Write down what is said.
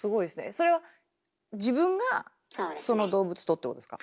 それは自分がその動物とってことですか？